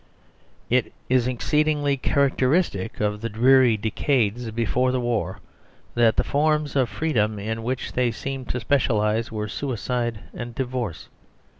It is exceedingly characteristic of the dreary decades before the War that the forms of freedom in which they seemed to specialise were suicide and divorce.